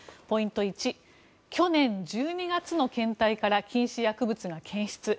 ポイント１去年１２月の検体から禁止薬物が検出。